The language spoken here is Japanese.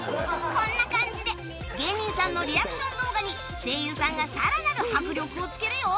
こんな感じで芸人さんのリアクション動画に声優さんが更なる迫力をつけるよ